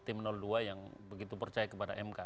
tim dua yang begitu percaya kepada mk